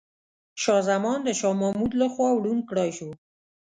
شاه زمان د شاه محمود لخوا ړوند کړاي سو.